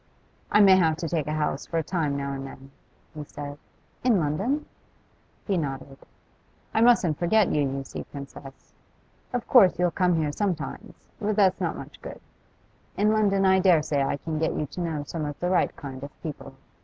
'I may have to take a house for a time now and then,' he said. 'In London?' He nodded. 'I mustn't forget you, you see, Princess. Of course you'll come here sometimes, but that's not much good. In London I dare say I can get you to know some of the right kind of people.